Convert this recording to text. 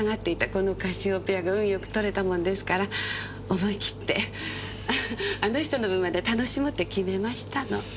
このカシオペアが運良く取れたもんですから思い切ってあの人の分まで楽しもうって決めましたの。